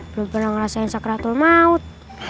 belum pernah ngerasain sakratul maut